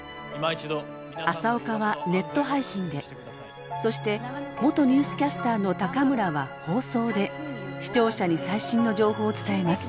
朝岡はネット配信でそして元ニュースキャスターの高村は放送で視聴者に最新の情報を伝えます。